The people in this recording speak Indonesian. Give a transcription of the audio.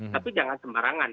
tapi jangan semarangan